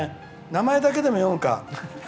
名前だけでも読むか。